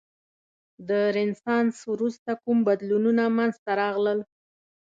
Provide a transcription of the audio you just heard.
د رنسانس وروسته کوم بدلونونه منځته راغلل؟